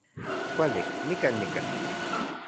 Kuali, nikan nika